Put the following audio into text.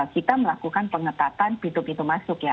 kita melakukan pengetatan pintu pintu masuk ya